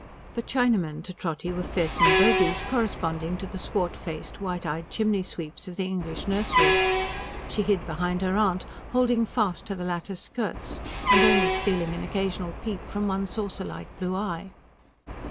But Chinamen to Trotty were fearsome bogies, corresponding to the swart faced, white eyed chimney sweeps of the English nursery. She hid behind her aunt, holding fast to the latter's skirts, and only stealing an occasional peep from one saucer like blue eye.